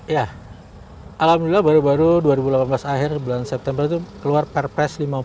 ya alhamdulillah baru baru dua ribu delapan belas akhir bulan september itu keluar perpres lima puluh